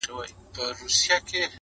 هره تېروتنه د درک نوې دروازه ده،